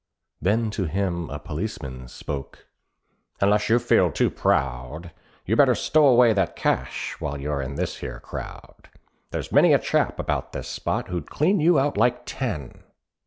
Then to him a policeman spoke: "Unless you feel too proud, You'd better stow away that cash while you're in this here crowd; There's many a chap about this spot who'd clean you out like ten."